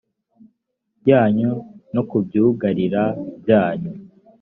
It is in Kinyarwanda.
yanyu no ku byugarira byanyu